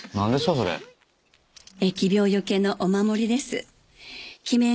それ疫病除けのお守りです